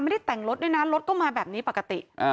ไม่ได้แต่งรถด้วยนะรถก็มาแบบนี้ปกติ